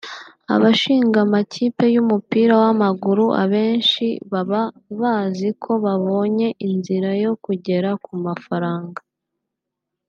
Abashinga amakipi y’umupira w’amaguru abenshi baba bazi ko babonye inzira yo kugera ku mafaranga